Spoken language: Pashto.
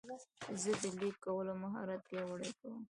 زه د لیک کولو مهارت پیاوړی کوم.